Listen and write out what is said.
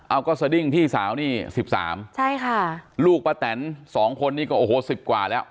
เอาก็สดิ้งพี่สาวนี่สิบสามใช่ค่ะลูกป้าแตนสองคนนี้ก็โอ้โหสิบกว่าแล้ว